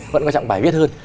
vẫn có trọng bài viết hơn